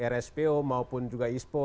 rspo maupun juga ispo